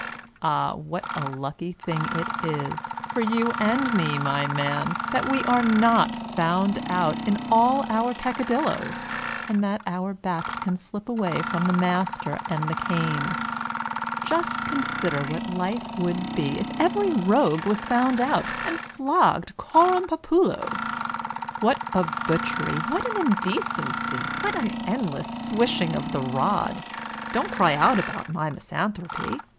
Ah, what a lucky thing it is, for you and me, my man, that we are not found out in all our peccadilloes ; and that our backs can slip away from the master and the cane ! Just consider what life would be, if every rogue was found out, and flogged coram populo! What a butchery, what an indecency, what an endless swishing of the rod! Don't cry out about my misanthropy.